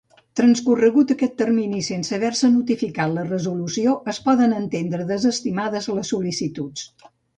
Transcorregut aquest termini sense haver-se notificat la resolució es poden entendre desestimades les sol·licituds.